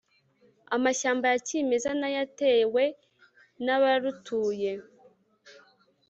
Amashyamba ya kimeza n'ayatewe n'abarutuye